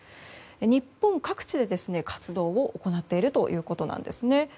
日本各地で活動を行っているということなんですね。